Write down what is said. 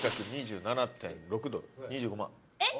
２５万。